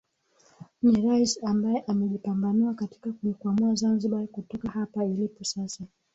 Ni Rais ambae amejipambanua katika kuikwamua Zanzibar kutoka hapa ilipo sasa